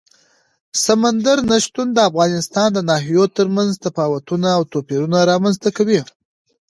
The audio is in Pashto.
سمندر نه شتون د افغانستان د ناحیو ترمنځ تفاوتونه او توپیرونه رامنځ ته کوي.